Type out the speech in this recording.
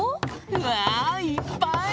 うわいっぱい！